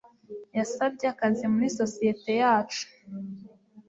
yasabye akazi muri sosiyete yacu. ()